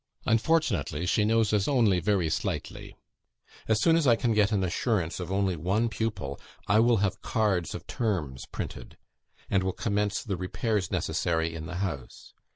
Unfortunately, she knows us only very slightly. As soon as I can get an assurance of only one pupil, I will have cards of terms printed, and will commence the repairs necessary in the house.